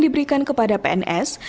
diberikan kepada pns